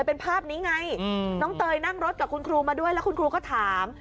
เป็นภาพนี้ไงน้องเตยนั่งรถกับคุณครูมาด้วยแล้วคุณครูก็ถาม